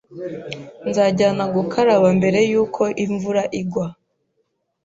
Nzajyana gukaraba mbere yuko imvura igwa.